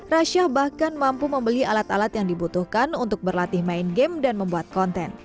rasyah bahkan mampu membeli alat alat yang dibutuhkan untuk berlatih main game dan membuat konten